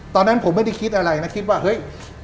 ตอนนั้นผมไม่ได้คิดอะไรนะคิดว่าเฮ้ย